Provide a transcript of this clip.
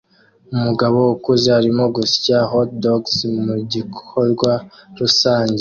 Umugabo ukuze arimo gusya hotdogs mugikorwa rusange